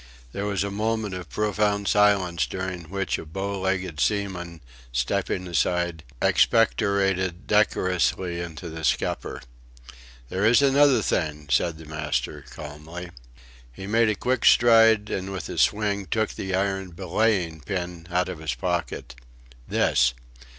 There was a moment of profound silence during which a bow legged seaman, stepping aside, expectorated decorously into the scupper. "There is another thing," said the master, calmly. He made a quick stride and with a swing took an iron belaying pin out of his pocket. "This!"